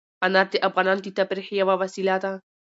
انار د افغانانو د تفریح یوه وسیله ده.